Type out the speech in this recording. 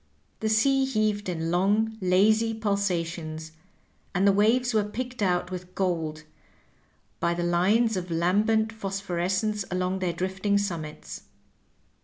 The sea heaved in long, lazy pulsations, and the waves were picked out with gold by the lines of lambent phosphorescence along their drifting summits.